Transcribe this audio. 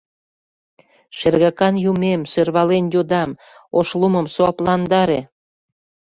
«Шергакан Юмем, сӧрвален йодам, Ошлумым суапландаре.